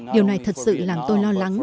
điều này thật sự làm tôi lo lắng